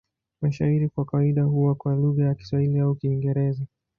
Mashairi kwa kawaida huwa kwa lugha ya Kiswahili au Kiingereza.